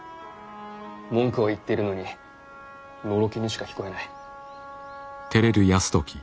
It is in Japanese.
文句を言ってるのにのろけにしか聞こえない。